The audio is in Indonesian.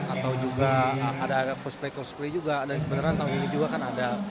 atau juga ada cosplay coldsplay juga dan sebenarnya tahun ini juga kan ada